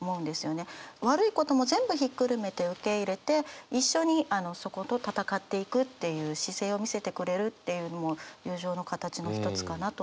悪いことも全部ひっくるめて受け入れて一緒にそこと闘っていくっていう姿勢を見せてくれるっていうのも友情の形の一つかなと思います。